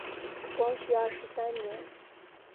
光绪二十三年。